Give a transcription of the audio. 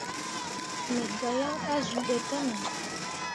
Me gah yaŋ azuu ɓe te nah.